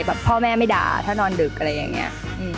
พ่อแม่ไม่ด่าถ้านอนดึกอะไรอย่างนี้